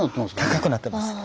高くなってます。